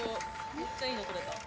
めっちゃいいの撮れた。